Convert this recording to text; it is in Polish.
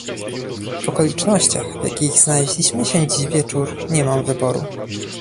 W okolicznościach, w jakich znaleźliśmy się dziś wieczór nie mam wyboru